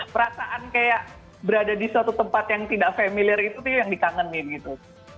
perasaan kayak berada di suatu tempat yang tidak familiar itu tuh yang dikangenin gitu